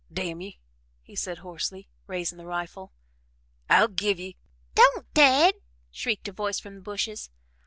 "Damn ye," he said hoarsely, raising the rifle. "I'll give ye " "Don't, Dad!" shrieked a voice from the bushes.